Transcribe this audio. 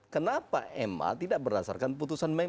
kenapa ma tidak berdasarkan putusan mk